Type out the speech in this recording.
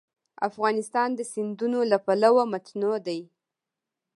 افغانستان د سیندونه له پلوه متنوع دی.